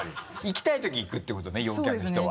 行きたいとき行くってことね？